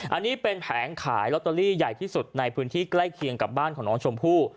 อันนี้เป็นแผงขายลอตเตอรี่ใหญ่ที่สุดในพื้นที่ใกล้เคียงกับบ้านของน้องชมพู่